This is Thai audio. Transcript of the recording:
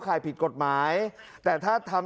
การเงินมันมีฝ่ายฮะ